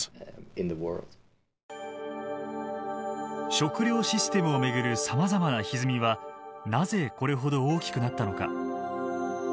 食料システムを巡るさまざまなひずみはなぜこれほど大きくなったのか。